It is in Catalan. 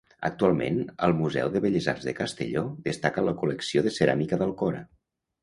Actualment, al Museu de Belles Arts de Castelló, destaca la col·lecció de ceràmica d'Alcora.